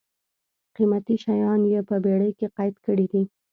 قېمتي شیان یې په بېړۍ کې قید کړي دي.